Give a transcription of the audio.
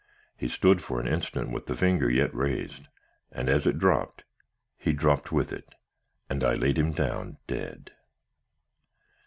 He stood for an instant with the finger yet raised, and as it dropped, he dropped with it, and I laid him down dead.